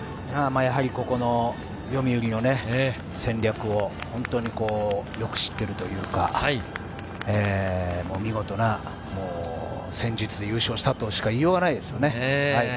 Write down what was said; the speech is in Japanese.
ここのよみうりの戦略をよく知っているというか、見事な戦術で優勝したとしか言いようがないですね。